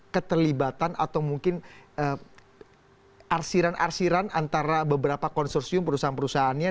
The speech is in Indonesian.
keterlibatan atau mungkin arsiran arsiran antara beberapa konsorsium perusahaan perusahaannya